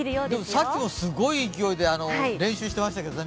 でも、さっきもすごい勢いで練習してましたけどね。